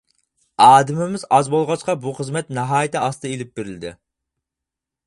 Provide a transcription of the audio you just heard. ئادىمىمىز ئاز بولغاچقا بۇ خىزمەت ناھايىتى ئاستا ئېلىپ بېرىلدى.